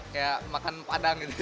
kayak makan padang gitu